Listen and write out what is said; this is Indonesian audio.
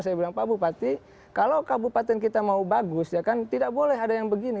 saya bilang pak bupati kalau kabupaten kita mau bagus ya kan tidak boleh ada yang begini